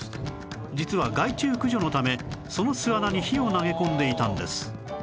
実は害虫駆除のためその巣穴に火を投げ込んでいたんです